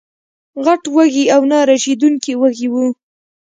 غټ وږي او نه رژېدونکي وږي وو